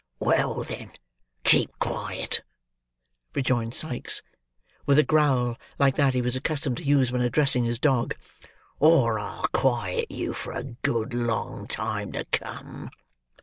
"Well, then, keep quiet," rejoined Sikes, with a growl like that he was accustomed to use when addressing his dog, "or I'll quiet you for a good long time to come."